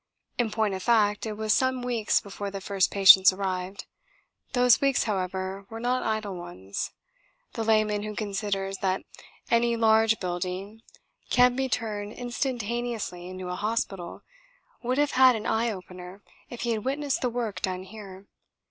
In point of fact it was some weeks before the first patients arrived. Those weeks, however, were not idle ones. The layman who considers that any large building can be turned instantaneously into a hospital would have had an eye opener if he had witnessed the work done here.